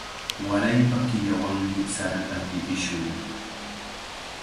Waraypa killawanmi sarata tipishun.